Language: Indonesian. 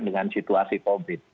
dengan situasi covid